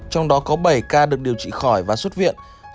trong đó có bảy ca được điều trị khỏi và xuất viện